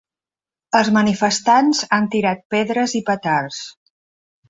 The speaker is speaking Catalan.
Els manifestants han tirat pedres i petards.